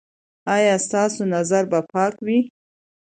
ایا ستاسو نظر به پاک وي؟